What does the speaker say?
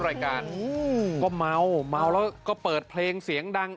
รายการอืมก็เมาเมาแล้วก็เปิดเพลงเสียงดัง